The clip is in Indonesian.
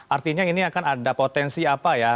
artinya ini akan ada potensi apa ya